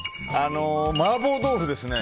麻婆豆腐ですね。